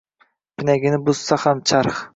Pinagini buzmasa ham charx